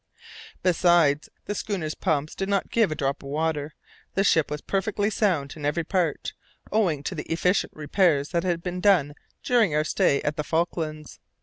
Besides, the schooner's pumps did not give a drop of water; the ship was perfectly sound in every part, owing to the efficient repairs that had been done during our stay at the Falklands.